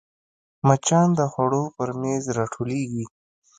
مچان د خوړو پر میز راټولېږي